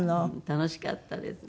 楽しかったですね。